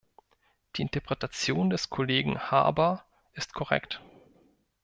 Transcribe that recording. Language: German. Die Interpretation des Kollegen Harbour ist korrekt.